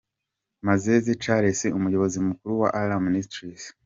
Mazeze Charles umuyobozi mukuru wa Alarm Ministries.